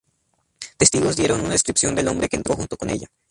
Testigos dieron una descripción del hombre que entró junto con ella.